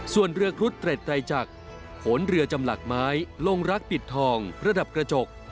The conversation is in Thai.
ส่วนเรือครุฑเตร็ดไตรจักรโขนเรือจำหลักไม้ลงรักปิดทองประดับกระจก